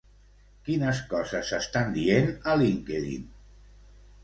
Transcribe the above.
Quines coses s'estan dient a LinkedIn?